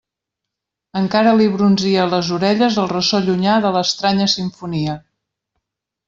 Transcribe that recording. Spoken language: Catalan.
Encara li brunzia a les orelles el ressò llunyà de l'estranya simfonia.